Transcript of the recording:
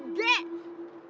nah tuh dia